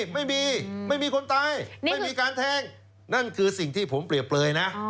ไม่มีไม่มีคนตายไม่มีการแทงนั่นคือสิ่งที่ผมเปรียบเลยนะ